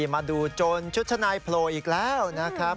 มาดูโจรชุดชะนายโผล่อีกแล้วนะครับ